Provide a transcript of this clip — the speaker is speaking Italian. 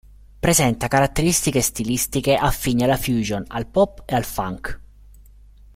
Presenta caratteristiche stilistiche affini alla fusion, al pop e al funk.